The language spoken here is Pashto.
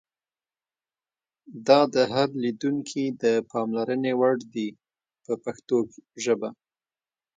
دا د هر لیدونکي د پاملرنې وړ دي په پښتو ژبه.